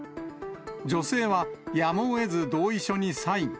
女性は、やむをえず同意書にサイン。